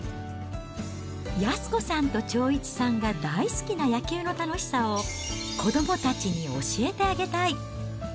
安子さんと長一さんが大好きな野球の楽しさを、子どもたちに教えてあげたい。